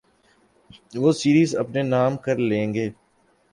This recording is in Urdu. وہ سیریز اپنے نام کر لیں گے۔